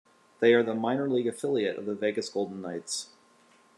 They are the minor league affiliate of the Vegas Golden Knights.